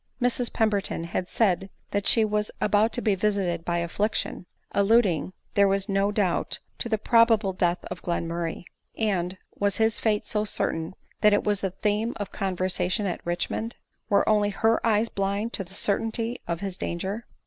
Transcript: Mrs Pemberton had said that she was about to be visited by affliction — alluding, there was no doubt, to the probable death of Glenmurray — And was his fate so certain that it was the theme of conversation at Rich mond? Were only her eyes blind to the certainty of his danger